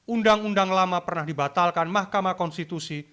undang undang lama pernah dibatalkan mahkamah konstitusi